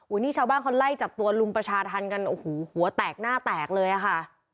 นี่ชาวบ้านเขาไล่จับตัวลุมประชาธรรมกันโอ้โหหัวแตกหน้าแตกเลยอะค่ะ